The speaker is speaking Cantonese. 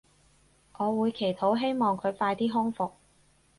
我會祈禱希望佢快啲康復